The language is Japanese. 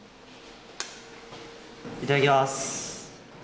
いただきます。